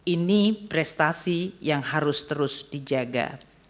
ini prestasi yang harus terus dijaga